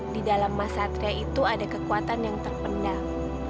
di dalam mas satria itu ada kekuatan yang terpendam